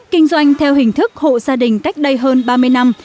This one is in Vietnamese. kinh doanh theo hình thức hộ gia đình cách đây hơn ba mươi năm